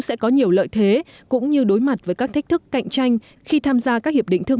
sẽ có nhiều lợi thế cũng như đối mặt với các thách thức cạnh tranh khi tham gia các hiệp định thương